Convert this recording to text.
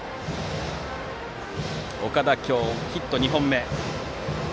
岡田は今日ヒット２本目。